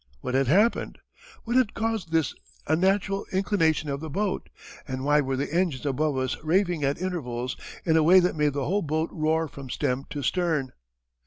What had happened? What had caused this unnatural inclination of the boat? And why were the engines above us raving at intervals in a way that made the whole boat roar from stem to stern?